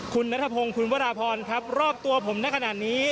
คุณนัทพงศ์คุณวราพรครับรอบตัวผมในขณะนี้